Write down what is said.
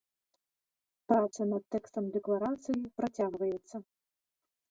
Праца над тэкстам дэкларацыі працягваецца.